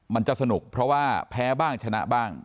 มันจะสนุกเพราะว่าแพ้บ้างชนะบ้าง